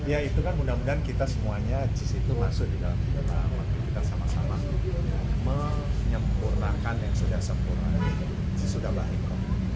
ya itu kan mudah mudahan kita semuanya jis itu masuk di dalam kita sama sama menyempurnakan yang sudah sempurna jis sudah baik